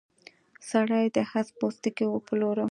سړي د اس پوستکی وپلوره.